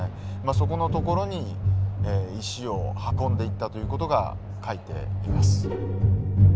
そこのところに石を運んでいったということが書いています。